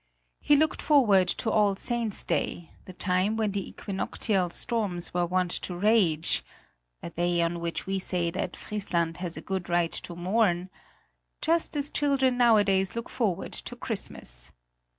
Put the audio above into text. He looked forward to All Saints' Day, the time when the equinoctial storms were wont to rage a day on which we say that Friesland has a good right to mourn just as children nowadays look forward to Christmas.